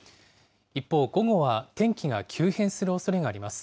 一方、午後は天気が急変するおそれがあります。